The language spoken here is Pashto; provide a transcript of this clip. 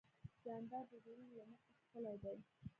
جانداد د زړونو له مخې ښکلی دی.